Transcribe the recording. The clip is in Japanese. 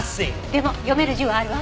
でも読める字はあるわ。